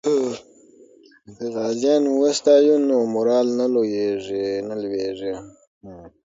که غازیان وستایو نو مورال نه لویږي.